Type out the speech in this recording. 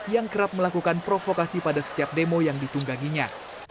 yang kerap melakukan provokasi pada setiap demo yang ditungganginya